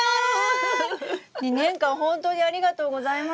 ２年間本当にありがとうございました。